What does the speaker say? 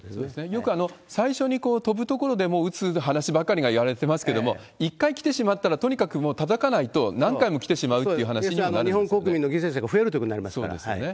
よく最初に飛ぶところで、もう撃つ話ばかりがいわれてますけれども、一回来てしまったら、とにかくもうたたかないと、何回も来てしまうって話にはなるんで日本国民の犠牲者が増えるとそうですよね。